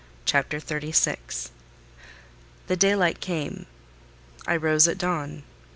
CHAPTER XXXVI The daylight came. I rose at dawn.